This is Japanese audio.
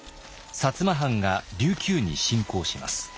摩藩が琉球に侵攻します。